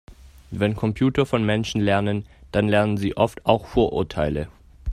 Wenn Computer von Menschen lernen, dann lernen sie oft auch Vorurteile.